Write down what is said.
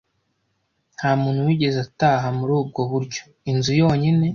Nta muntu wigeze ataha muri ubwo buryo. Inzu yonyine